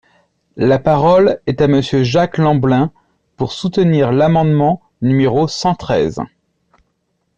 La parole est à Monsieur Jacques Lamblin, pour soutenir l’amendement numéro cent treize.